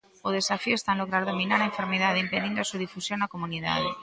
O desafío está en lograr dominar a enfermidade impedindo a súa difusión na comunidade.